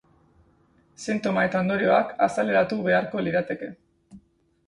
Sintoma eta ondorioak azaleratu beharko lirateke.